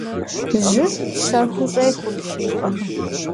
Жьыр щэхуу щӏехур щихум.